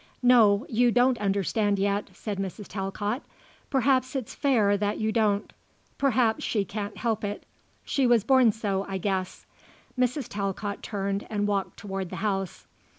"No, you don't understand, yet," said Mrs. Talcott. "Perhaps it's fair that you don't. Perhaps she can't help it. She was born so, I guess." Mrs. Talcott turned and walked towards the house.